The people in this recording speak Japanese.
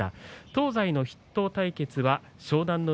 東西の筆頭対決は湘南乃